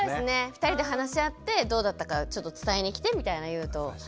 ２人で話し合ってどうだったかちょっと伝えに来てみたいの言うと。